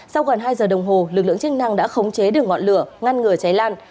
sau gần hai giờ đồng hồ lực lượng chức năng đã khống chế được ngọn lửa ngăn ngừa cháy lan